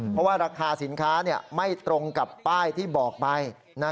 เพราะว่าราคาสินค้าไม่ตรงกับป้ายที่บอกไป